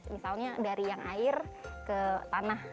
misalnya dari yang air ke tanah